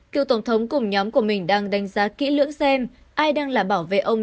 cựu tổng thống cùng nhóm của mình đang đánh giá kỹ lưỡng xem ai đang là bảo vệ ông